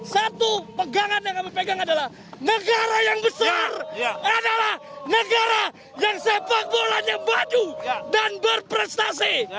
satu pegangan yang kami pegang adalah negara yang besar adalah negara yang sepak bolanya maju dan berprestasi